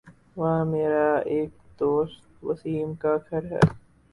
وہاں میر ایک دوست وسیم کا گھر ہے